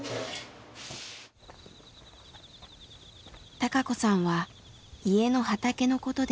孝子さんは家の畑のことで悩んでいました。